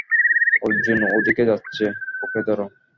অর্জুন ওদিকে যাচ্ছে, ওকে ধর।